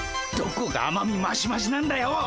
どこがあまみましましなんだよ！